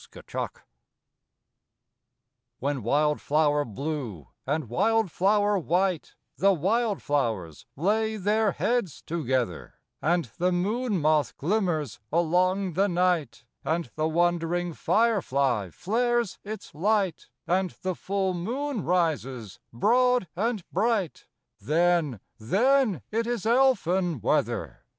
_ ELFIN I When wildflower blue and wildflower white The wildflowers lay their heads together, And the moon moth glimmers along the night, And the wandering firefly flares its light, And the full moon rises broad and bright, Then, then it is elfin weather.